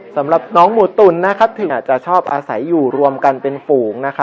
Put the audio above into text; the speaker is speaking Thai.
สำหรับน้องหมูตุ่นถึงจะชอบอาศัยอยู่รวมกันเป็นฝูง